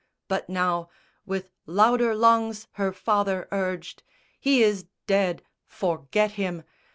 But now With louder lungs her father urged "He is dead: Forget him.